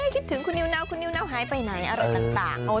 คิดถึงคุณนิวนาวคุณนิวนาวหายไปไหนอะไรต่าง